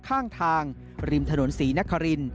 ข้างทางริมถนนศรีนคริน